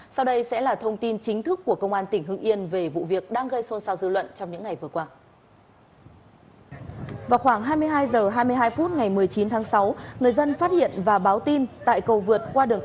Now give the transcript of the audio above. sau đây sẽ là thông tin chính thức của công an tỉnh hưng yên về vụ việc đang gây xôn xao dư luận trong những ngày vừa qua